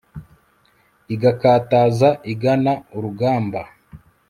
igakataza igana urugamba